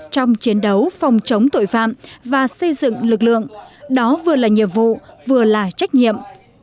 trong chiến đấu phòng chống tội phạm và xây dựng lực lượng đó vừa là nhiệm vụ vừa là trách nhiệm